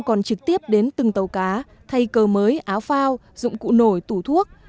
còn trực tiếp đến từng tàu cá thay cơ mới áo phao dụng cụ nổi tủ thuốc